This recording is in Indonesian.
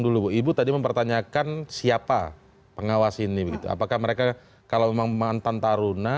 dulu ibu tadi mempertanyakan siapa pengawas ini begitu apakah mereka kalau memang mantan taruna